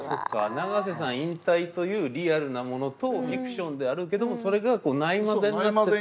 長瀬さん引退というリアルなものとフィクションであるけどもそれがないまぜになってて。